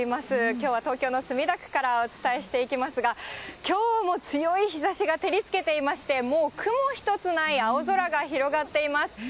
きょうは東京の墨田区からお伝えしていきますが、きょうも強い日ざしが照りつけていまして、もう雲一つない青空が広がっています。